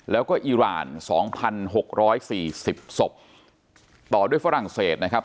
แล้วก็อิร่านสองพันหกร้อยสี่สิบศพต่อด้วยฝรั่งเศสนะครับ